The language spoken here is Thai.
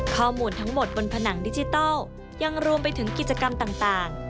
ข้อมูลทั้งหมดบนผนังดิจิทัลยังรวมไปถึงกิจกรรมต่าง